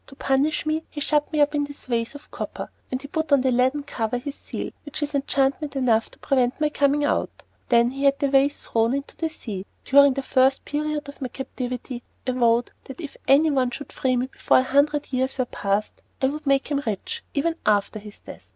To punish me, he shut me up in this vase of copper, and he put on the leaden cover his seal, which is enchantment enough to prevent my coming out. Then he had the vase thrown into the sea. During the first period of my captivity I vowed that if anyone should free me before a hundred years were passed, I would make him rich even after his death.